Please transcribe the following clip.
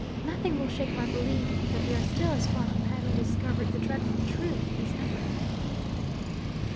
Nothing will shake my belief that we are still as far from having discovered the dreadful truth as ever.'